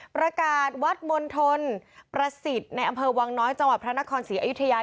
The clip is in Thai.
ประกาศวัดมณฑลประสิทธิ์ในอำเภอวังน้อยจังหวัดพระนครศรีอยุธยา